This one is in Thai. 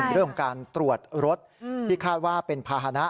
๑เรื่องการตรวจรถที่คาดว่าเป็นพาหนะ